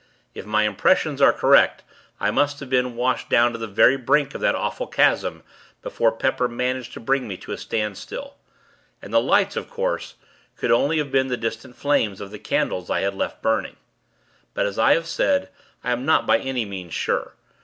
If my impressions are correct, I must have been washed down to the very brink of that awful chasm, before Pepper managed to bring me to a standstill. And the lights, of course, could only have been the distant flames of the candles, I had left burning. But, as I have said, I am not by any means sure.